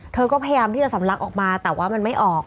เธอก็พยายามที่จะสำลักออกมาแต่ว่ามันไม่ออก